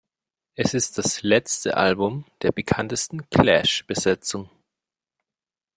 Es ist das letzte Album der bekanntesten Clash-Besetzung.